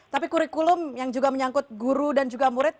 tapi kurikulum yang juga menyangkut guru dan juga murid